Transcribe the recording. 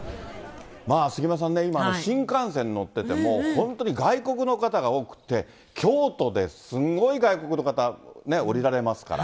杉山さんね、今、新幹線乗ってても、本当に外国の方が多くって、京都ですんごい外国の方降りられますから。